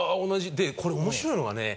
でこれ面白いのがね